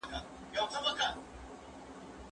افغان هلکان د وینا بشپړه ازادي نه لري.